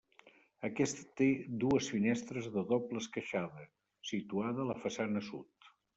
Aquesta té dues finestres de doble esqueixada, situada a la façana sud.